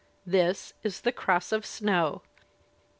This is "The Cross of Snow."